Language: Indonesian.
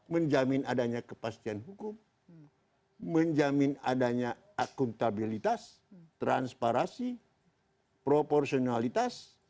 menjamin adanya kepastian hukum menjamin adanya akuntabilitas transparansi proporsionalitas